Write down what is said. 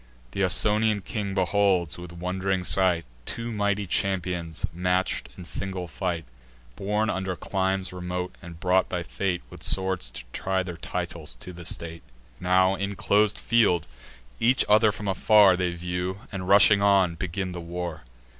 Th' Ausonian king beholds, with wond'ring sight, Two mighty champions match'd in single fight, Born under climes remote, and brought by fate, With swords to try their titles to the state. Now, in clos'd field, each other from afar They view; and, rushing on, begin the war.